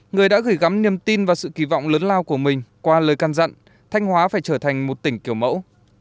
người đã gửi gắm niềm tin và sự kỳ vọng lớn lao của mình qua lời can dặn thanh hóa phải trở thành một tỉnh kiểu mẫu